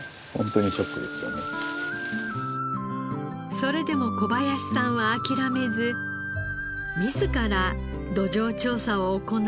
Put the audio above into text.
それでも小林さんは諦めず自ら土壌調査を行い